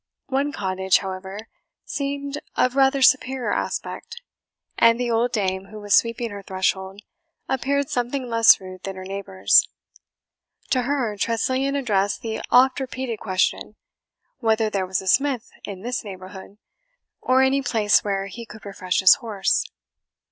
One cottage, however, seemed of rather superior aspect, and the old dame, who was sweeping her threshold, appeared something less rude than her neighbours. To her Tressilian addressed the oft repeated question, whether there was a smith in this neighbourhood, or any place where he could refresh his horse?